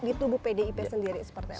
di tubuh pdip sendiri seperti apa